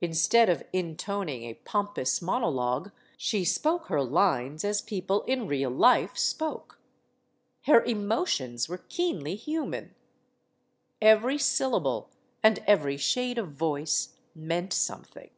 Instead of intoning a pompous mono logue, she spoke her lines as people in real life spoke. Her emotions were keenly human. Every syllable and every shade of voice meant something.